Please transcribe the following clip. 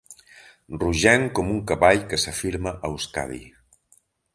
Rogenc com un cavall que s'afirma a Euskadi.